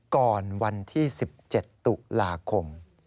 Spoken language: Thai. ก่อนวันที่๑๗ตุลาคม